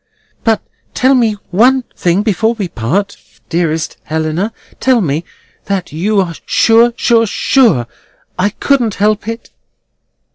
"But tell me one thing before we part, dearest Helena. Tell me—that you are sure, sure, sure, I couldn't help it."